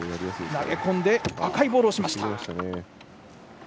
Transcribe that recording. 投げ込んで赤いボールを押しました。